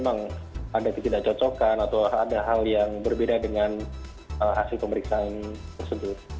memang ada yang tidak cocokkan atau ada hal yang berbeda dengan hasil pemeriksaan tersebut